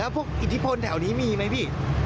พวกอิทธิพลแถวนี้มีไหมพี่